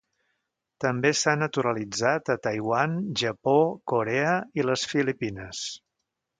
També s'ha naturalitzat a Taiwan, Japó, Corea, i les Filipines.